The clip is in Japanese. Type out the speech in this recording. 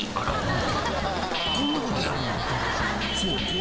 ［そう。